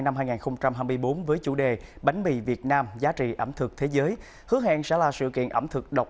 năm hai nghìn hai mươi bốn với chủ đề bánh mì việt nam giá trị ẩm thực thế giới hứa hẹn sẽ là sự kiện ẩm thực độc